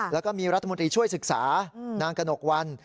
แล้วก็มีรัฐมนตรีช่วยศึกษานางกระหนกวัน